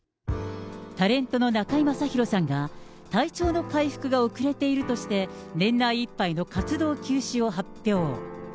タレントの中居正広さんが、体調の回復が遅れているとして、年内いっぱいの活動休止を発表。